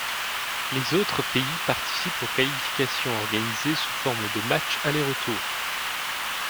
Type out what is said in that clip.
Les autres pays participent aux qualifications organisées sous forme de matchs aller-retour.